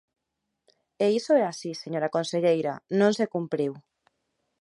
E iso é así, señora conselleira, non se cumpriu.